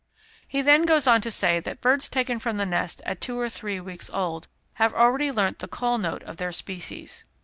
He then goes on to say that birds taken from the nest at two or three weeks old have already learnt the call note of their species.